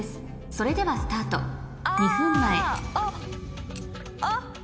それではスタート２分前あっ！